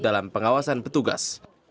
dalam pengawasan petugas